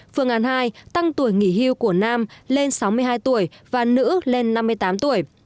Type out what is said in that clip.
phương án hai tăng tuổi nghỉ hưu của nam lên sáu mươi hai tuổi và nữ lên năm mươi tám tuổi